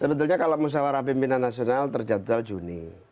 sebetulnya kalau musawarah pimpinan nasional terjatuh tahun juni